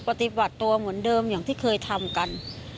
ปฏิบัติตัวเหมือนเดิมอย่างที่เคยทำกัน